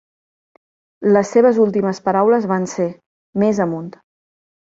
Les seves últimes paraules van ser "Més amunt".